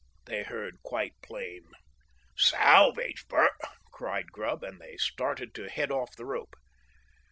they heard, quite plain. "Salvage, Bert!" cried Grubb, and started to head off the rope.